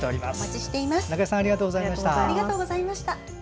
中江さんありがとうございました。